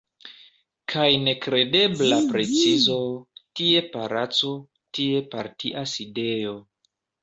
Kaj nekredebla precizo – tie palaco, tie partia sidejo.